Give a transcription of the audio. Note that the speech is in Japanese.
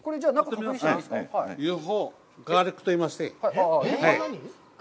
ＵＦＯガーリックといいまして。